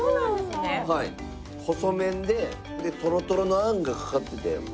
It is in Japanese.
細麺でトロトロのあんがかかってて。